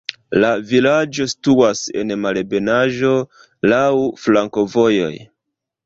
La vilaĝo situas en malebenaĵo, laŭ flankovojoj.